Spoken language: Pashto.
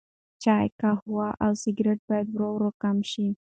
چای، قهوه او سګرټ باید ورو ورو کم شي.